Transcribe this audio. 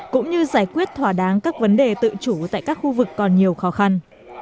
cũng như giải quyết thỏa đáng các vấn đề tự chủ tại các khu vực còn nhiều khó khăn